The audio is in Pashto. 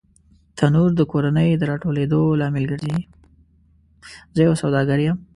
زه یو سوداګر یم .